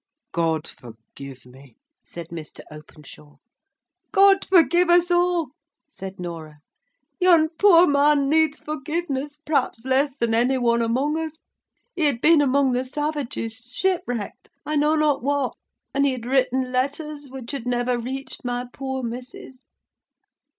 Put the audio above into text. "God forgive me!" said Mr. Openshaw. "God forgive us all!" said Norah. "Yon poor man needs forgiveness perhaps less than any one among us. He had been among the savages—shipwrecked—I know not what—and he had written letters which had never reached my poor missus."